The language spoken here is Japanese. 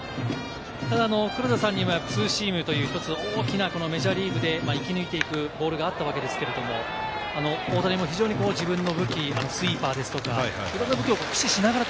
黒田さんにもツーシームという大きなメジャーリーグで生き抜いていくボールがあったわけですけれど、大谷も非常に自分の武器、スイーパーですとかを駆使しながら。